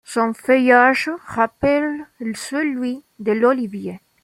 Son feuillage rappelle celui de l'olivier.